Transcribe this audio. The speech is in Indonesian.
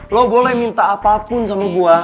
lo boleh minta apapun sama gue